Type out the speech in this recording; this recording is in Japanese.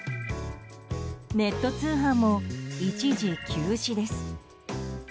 ネット通販も一時、休止です。